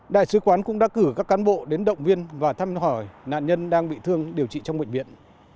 đại sứ quán cũng đã cử các cán bộ đến động viên và thăm hỏi nạn nhân đang bị thương điều trị trong bệnh viện